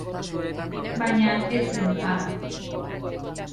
Baina ez zen hala.